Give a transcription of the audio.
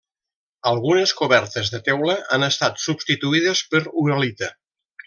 Algunes cobertes de teula han estat substituïdes per uralita.